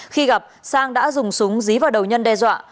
khi gặp sang đã dùng súng dí vào đầu nhân đe dọa